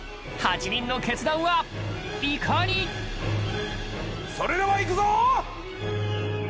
８人の決断は、いかにそれではいくぞ！